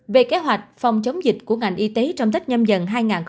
về kế hoạch phòng chống dịch của ngành y tế trong tết nhâm dần hai nghìn hai mươi